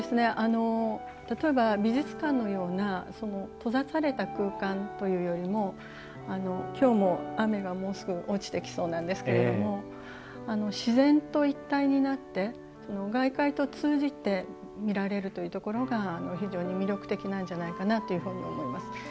例えば美術館のような閉ざされた空間というよりもきょうも雨がもうすぐ落ちてきそうなんですけれども自然と一体になって外界と通じて見られるというところが非常に魅力的なんじゃないかなというふうに思います。